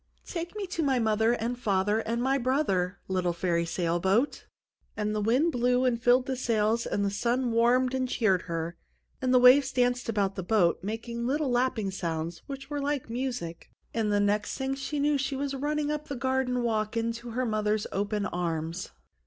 Take me to my mother and father and my brother, little fairy sail boat!" And the wind blew and filled the sails and the sun warmed and cheered her, and the waves danced about the boat, making little lapping sounds which were like music and the next thing she knew she was running up the garden walk into her mother's open arms.